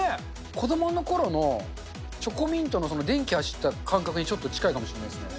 子どものころのチョコミントの電気走った感覚にちょっと近いかもしんないですね。